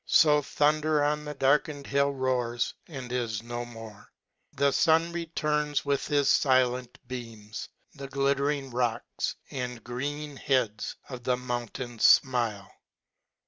So thunder on the darkened hill roars and is no njore. The fun returns with his filent beams. The glittering rocks, and green heads of the mountains fmile.